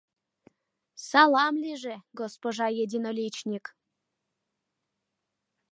Салам лийже, госпожа единоличник!.